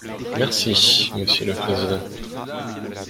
Merci, monsieur le président.